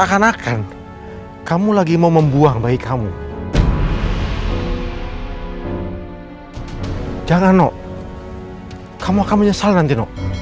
jadi kalau om dan tante